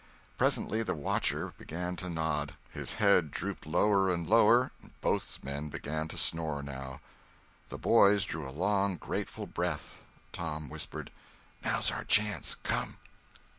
Presently the watcher began to nod; his head drooped lower and lower, both men began to snore now. The boys drew a long, grateful breath. Tom whispered: "Now's our chance—come!"